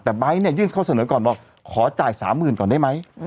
แต่ไบท์เนี่ยยื่นข้อเสนอก่อนบอกขอจ่าย๓๐๐๐ก่อนได้ไหม